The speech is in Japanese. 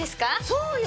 そうよ！